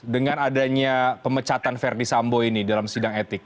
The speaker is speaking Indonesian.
dengan adanya pemecatan verdi sambo ini dalam sidang etik